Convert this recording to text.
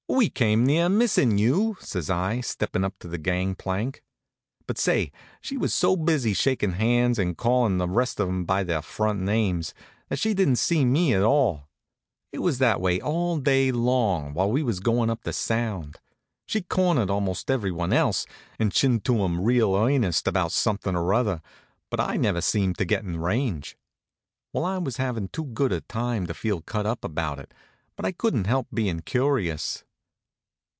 "We came near missin' you," says I, steppin' up to the gang plank. But say, she was so busy shakin' hands and callin' the rest of 'em by their front names, that she didn't see me at all. It was that way all day long, while we was goin' up the Sound. She cornered almost everyone else, and chinned to 'em real earnest about somethin' or other, but I never seemed to get in range. Well, I was havin' too good a time to feel cut up about it, but I couldn't help bein' curious.